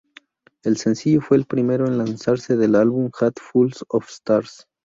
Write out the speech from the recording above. El sencillo fue el primero en lanzarse del álbum Hat Full of Stars.